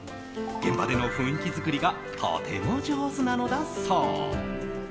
現場での雰囲気作りがとても上手なのだそう。